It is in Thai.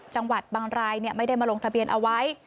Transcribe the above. บางรายไม่ได้มาลงทะเบียนเอาไว้